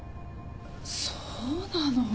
そうなの？